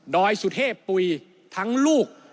อยสุเทพปุ๋ยทั้งลูก